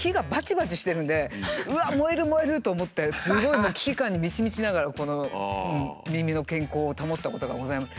燃える燃える！と思ってすごい危機感に満ち満ちながらこの耳の健康を保ったことがございます。